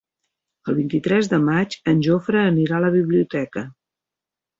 El vint-i-tres de maig en Jofre anirà a la biblioteca.